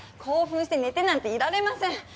興奮して寝てなんていられません